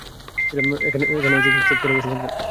এখন চুপ করে বসে মদ গেল।